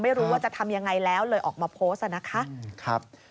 ไม่รู้ว่าจะทำยังไงแล้วเลยออกมาโพสต์นะคะ